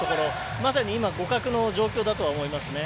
まさに今、互角の状況だとは思いますね。